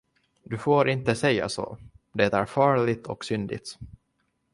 Du får inte säga så, det är farligt och syndigt.